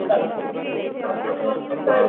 এর ঘন এবং গুল্ম পাহাড়ী বন পছন্দ করে।